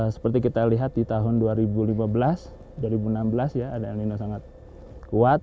seperti kita lihat di tahun dua ribu lima belas dua ribu enam belas ya ada el nino sangat kuat